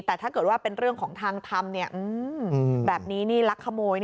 แต่ถ้าเกิดว่าเป็นเรื่องของทางทำแบบนี้นี่ลักขโมย